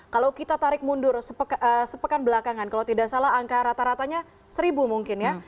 kalau kita tarik mundur sepekan belakangan kalau tidak salah angka rata ratanya seribu mungkin ya